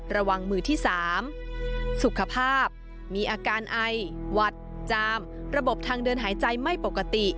มือที่๓สุขภาพมีอาการไอหวัดจามระบบทางเดินหายใจไม่ปกติ